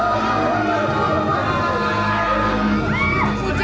gimana udah mati